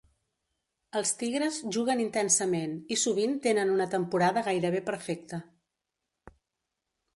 Els Tigres juguen intensament i sovint tenen una temporada gairebé perfecta.